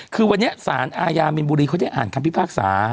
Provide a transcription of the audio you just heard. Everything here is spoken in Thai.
คือวันนี้สารอาญามินบุรีเขาได้อ่านคำพิพากษา